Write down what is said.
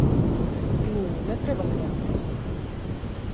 Ну, не треба сваритися.